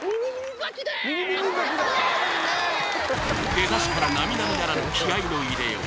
出だしから並々ならぬ気合いの入れよう